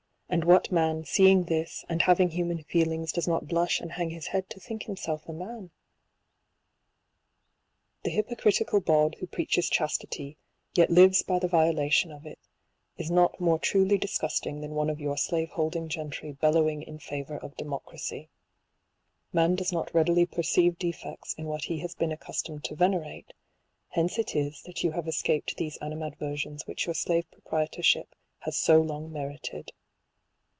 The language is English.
And what man, seeing this, " And having human feelings, does not blush " And hang his head to think himself a man ?" The hypocritical bawd who preaches chastity, yet lives by the violation of it, is not more truly disgusting 179 than one of your slave holding gentry bellowing in favor of democracy. Man does not readily perceive defects in what he has been accustomed to venerate j hence it is that you have escaped those animadversions which your slave proprietorship has so long merited.